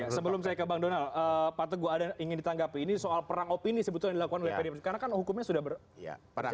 sebelum saya ke bang donald pak teguh ada ingin ditanggapi ini soal perang opini sebetulnya dilakukan wpdm karena kan hukumnya sudah berjalan